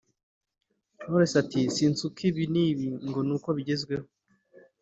Knowless ati “sinsuka ibi n’ibi ngo ni uko bigezweho